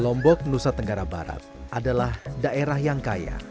lombok nusa tenggara barat adalah daerah yang kaya